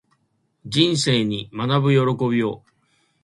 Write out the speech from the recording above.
人生に学ぶ喜びを